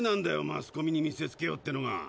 マスコミに見せつけようってのが。